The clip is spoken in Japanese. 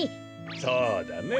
そうだね。